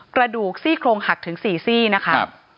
กระดูกซี่โครงหักถึง๔ซี่นะคะ